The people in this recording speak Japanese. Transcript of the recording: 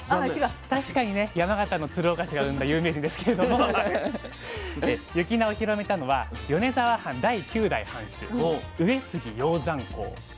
確かにね山形の鶴岡市が生んだ有名人ですけれども雪菜を広めたのは米沢藩第９代藩主上杉鷹山公。